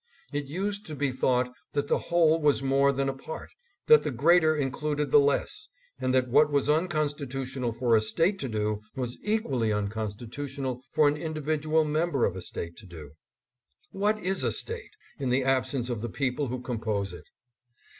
It used to be thought that the whole was more than a part ; that the greater included the less, and that what was unconstitutional for a State to do was equally unconstitutional for an individual member of a State to do. What is a State, in the absence of the people who compose it?